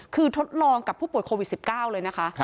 คือทดลองกับผู้ป่วยโควิด๑๙เลยนะคะ